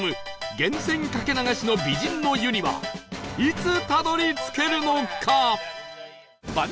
源泉かけ流しの美人の湯にはいつたどり着けるのか？